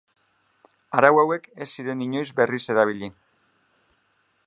Arau hauek ez ziren inoiz berriz erabili.